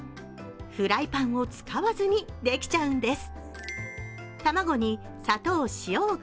フライパンを使わずにできちゃうんです。